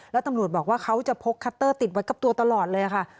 แล้วตำรวจบอกว่าเขาจะพกคัตเตอร์ติดไว้กับตัวตลอดเลยค่ะ